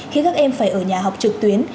khi các em phải ở nhà học trực tuyến